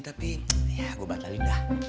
tapi ya gue bakal lindah